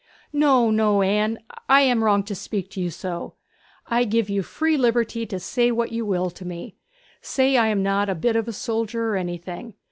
'No, no, Anne; I am wrong to speak to you so. I give you free liberty to say what you will to me. Say I am not a bit of a soldier, or anything!